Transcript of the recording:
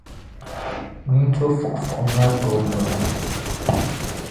nintɔfuɣifuɣi ŋariti o noli.